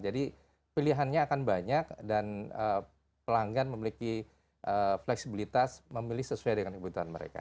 jadi pilihannya akan banyak dan pelanggan memiliki fleksibilitas memilih sesuai dengan kebutuhan mereka